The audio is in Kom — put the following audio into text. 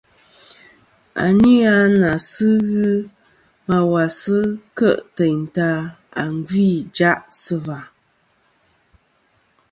À ni a nà sɨ ghɨ ma wà sɨ kêʼ tèyn ta à sɨ gvî ìjaʼ sɨ và.